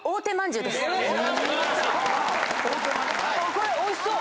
これおいしそう！